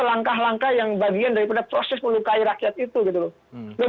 langkah langkah yang bagian daripada proses melukai rakyat itu gitu loh